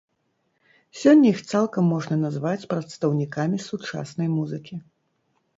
Сёння іх цалкам можна назваць прадстаўнікамі сучаснай музыкі.